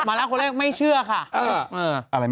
มาแล้วคนแรกไม่เชื่อค่ะ